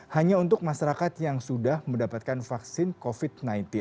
hanya untuk masyarakat yang sudah mendapatkan vaksin covid sembilan belas